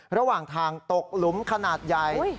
ระหว่างทางตกหลุมขนาดใหญ่